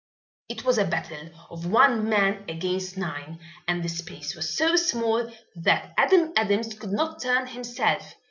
It was a battle of one man against nine and the space was so small that Adam Adams could not turn himself.